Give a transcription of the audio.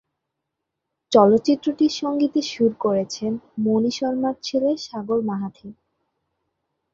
চলচ্চিত্রটির সঙ্গীতে সুর করেছেন মণি শর্মার ছেলে সাগর মাহাথি।